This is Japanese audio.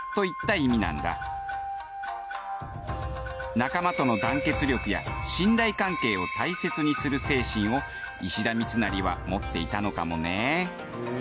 仲間との団結力や信頼関係を大切にする精神を石田三成は持っていたのかもね。